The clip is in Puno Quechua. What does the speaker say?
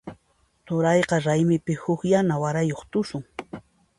Turayqa raymipi huk yana warayuq tusun.